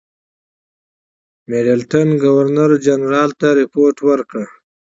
میډلټن ګورنرجنرال ته رپوټ ورکړ.